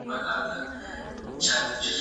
سود د غریبانو شتمني خوري.